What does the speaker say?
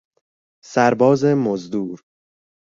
سرباز مزدور